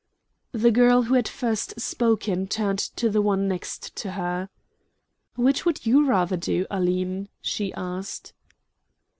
The girl who had first spoken turned to the one next to her. "Which would you rather do, Aline?" she asked.